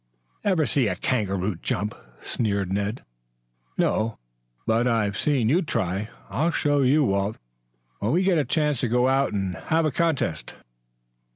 "Ever see a kangaroo jump?" sneered Ned. "No; but I've seen you try to. I'll show you, Walt, when we get a chance to go out and have a contest."